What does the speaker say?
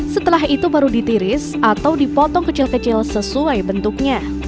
setelah itu baru ditiris atau dipotong kecil kecil sesuai bentuknya